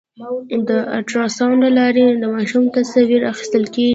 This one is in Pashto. د الټراساونډ له لارې د ماشوم تصویر اخیستل کېږي.